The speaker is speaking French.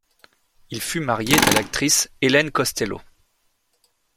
Il fut marié à l'actrice Helene Costello.